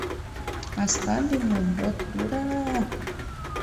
А Сталинлан вот — ура!